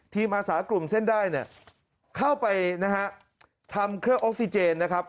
อาสากลุ่มเส้นได้เนี่ยเข้าไปนะฮะทำเครื่องออกซิเจนนะครับ